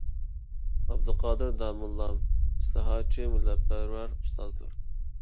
ئابدۇقادىر داموللام ئىسلاھاتچى، مىللەتپەرۋەر ئۇستازدۇر.